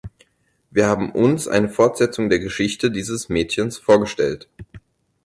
Wir haben uns eine Fortsetzung der Geschichte dieses Mädchens vorgestellt.